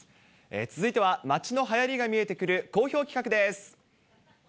続いては街のはやりが見えてくる好評企画です。